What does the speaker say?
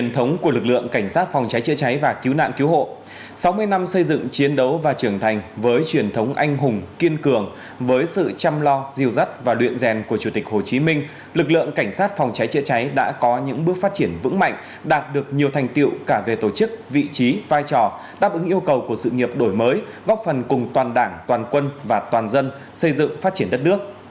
trong hai năm xây dựng chiến đấu và trưởng thành với truyền thống anh hùng kiên cường với sự chăm lo diêu dắt và luyện rèn của chủ tịch hồ chí minh lực lượng cảnh sát phòng cháy chia cháy đã có những bước phát triển vững mạnh đạt được nhiều thành tiệu cả về tổ chức vị trí vai trò đáp ứng yêu cầu của sự nghiệp đổi mới góp phần cùng toàn đảng toàn quân và toàn dân xây dựng phát triển đất nước